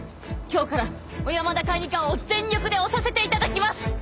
今日から小山田管理官を全力で推させて頂きます！